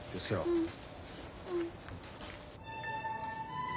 うん。